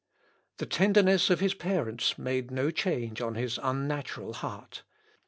The tenderness of his parents made no change on his unnatural heart.